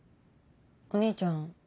お兄ちゃん。